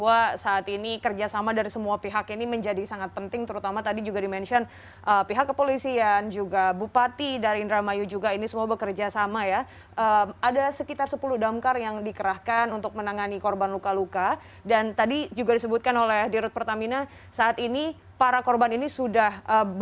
wassalamualaikum warahmatullahi wabarakatuh